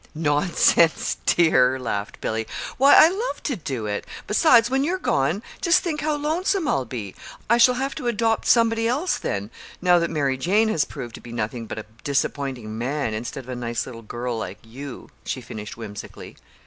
"Nonsense, dear!" laughed Billy. "Why, I love to do it. Besides, when you're gone, just think how lonesome I'll be! I shall have to adopt somebody else then now that Mary Jane has proved to be nothing but a disappointing man instead of a nice little girl like you," she finished whimsically.